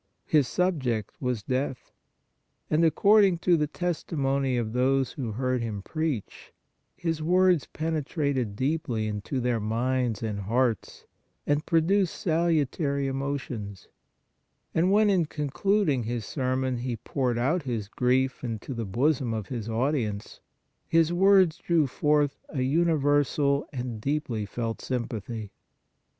His subject was death, and, according to the testimony of those who heard him preach, his words penetrated deeply into their minds and hearts and produced salutary emo tions; and when, in concluding his sermon, he poured out his grief into the bosom of his audience, his words drew forth a universal and deeply felt sympathy.